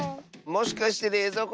もしかしてれいぞう